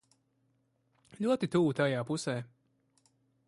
Ļoti tuvu tajā pusē.